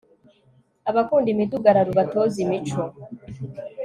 abakunda imidugararo, ubatoze imico